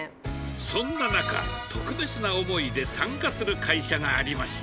そんな中、特別な思いで参加する会社がありました。